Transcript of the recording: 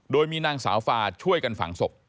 โดยมีนางสาวฟาช่วยกันฝังศพ